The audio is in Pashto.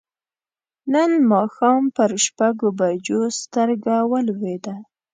نن ماښام پر شپږو بجو سترګه ولوېده.